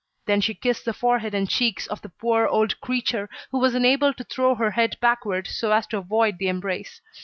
Then she kissed the forehead and cheeks of the poor old creature, who was unable to throw her head backward so as to avoid the embrace.